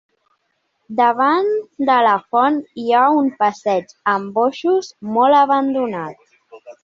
Davant de la font hi ha un passeig amb boixos, molt abandonat.